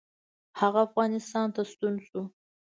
هغه افغانستان ته ستون شو.